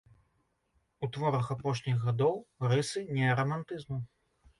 У творах апошніх гадоў рысы неарамантызму.